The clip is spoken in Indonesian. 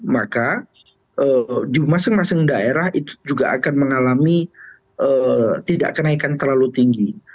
maka di masing masing daerah itu juga akan mengalami tidak kenaikan terlalu tinggi